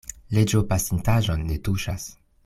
Leĝo pasintaĵon ne tuŝas.